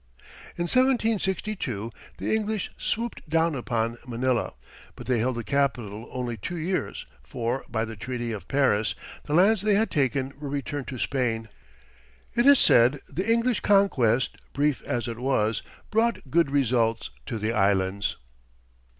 In 1762 the English swooped down upon Manila, but they held the capital only two years, for, by the Treaty of Paris, the lands they had taken were returned to Spain. It is said the English conquest, brief as it was, brought good results to the Islands.